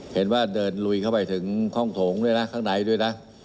เห็นว่าเขาจะลุยเข้าไปถึงข้องถงด้วยฮ่างนายด้วยนะ